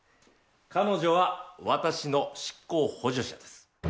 彼女は私の執行補助者です。